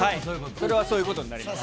それはそういうことになります。